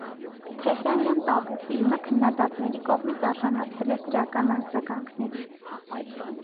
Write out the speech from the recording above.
«Թեհրանյան տաբու» ֆիլմը քննադատների կողմից արժանացել է դրական արձագանքների։